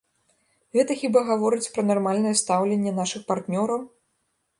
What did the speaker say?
Гэта хіба гаворыць пра нармальнае стаўленне нашых партнёраў?!